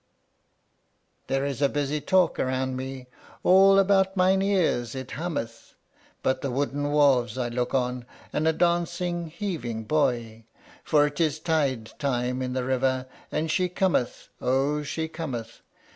There is busy talk around me, all about mine ears it hummeth, But the wooden wharves I look on, and a dancing, heaving buoy, For 'tis tidetime in the river, and she cometh oh, she cometh!